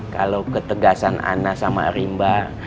kalau ketegasan ana sama rimba